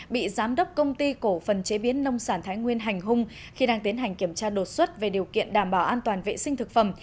bị giám đốc công ty cổ phần chế biến nông sản thái nguyên hành hung khi đang tiến hành kiểm tra đột xuất về điều kiện đảm bảo an toàn vệ sinh thực phẩm